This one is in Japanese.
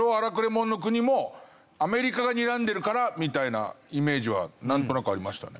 もんの国もアメリカがにらんでるからみたいなイメージはなんとなくありましたね。